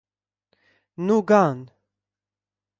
Nu gan!